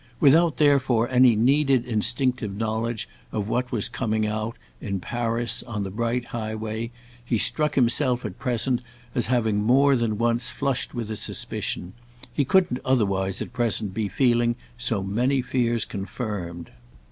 Without therefore any needed instinctive knowledge of what was coming out, in Paris, on the bright highway, he struck himself at present as having more than once flushed with a suspicion: he couldn't otherwise at present be feeling so many fears confirmed.